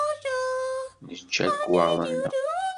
Nečča lekwaɣeḍ-nneɣ.